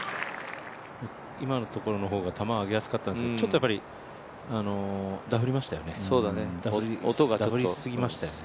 今のところの方が球を上げやすかったんですけどちょっとダフりすぎましたよね。